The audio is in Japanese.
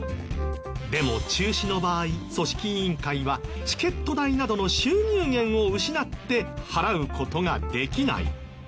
でも中止の場合組織委員会はチケット代などの収入源を失って払う事ができない。